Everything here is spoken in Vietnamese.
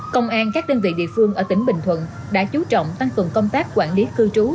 công an các đơn vị địa phương ở tỉnh bình thuận đã chú trọng tăng cường công tác quản lý cư trú